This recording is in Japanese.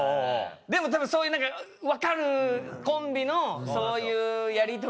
でもたぶん何か分かるコンビのそういうやりとりで。